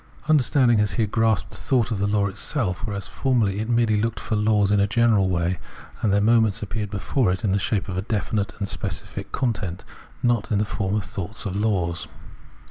Understanding has here grasped the thought of the law itself, whereas formerly it merely looked for laws in a general way, and their moments appeared before it in the shape of a definite and specific content, and not in the form of thoughts of laws.